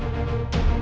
ada diri ga